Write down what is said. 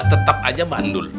tetap aja mandul